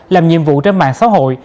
làm nhiệm vụ trên mạng xã hội